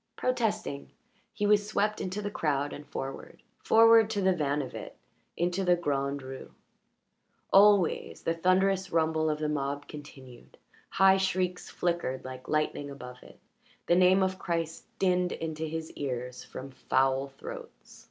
Protesting, he was swept into the crowd and forward forward to the van of it, into the Grand Rue. Always the thunderous rumble of the mob continued; high shrieks flickered like lightning above it; the name of Christ dinned into his ears from foul throats.